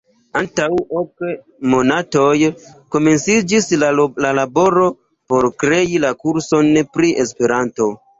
Antaŭ ok monatoj komenciĝis la laboro por krei la kurson pri Esperanto.